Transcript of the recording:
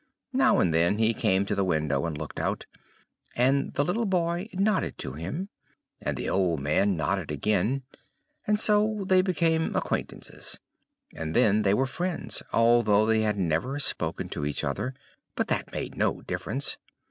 Now and then he came to the window and looked out, and the little boy nodded to him, and the old man nodded again, and so they became acquaintances, and then they were friends, although they had never spoken to each other but that made no difference.